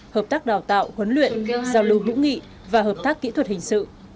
hợp tác đào tạo huấn luyện giao lưu hữu nghị và hợp tác kỹ thuật hình sự